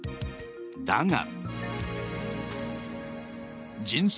だが。